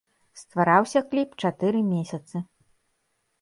Ствараўся кліп чатыры месяцы.